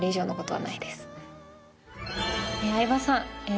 相葉さん。